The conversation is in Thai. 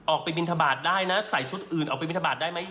บินทบาทได้นะใส่ชุดอื่นออกไปบินทบาทได้ไหม